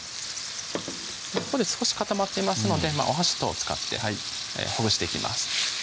ここで少し固まってますのでお箸等を使ってほぐしていきます